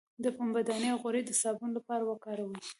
د پنبې دانه غوړي د صابون لپاره وکاروئ